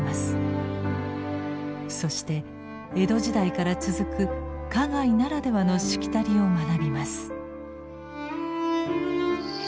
そして江戸時代から続く花街ならではのしきたりを学びます。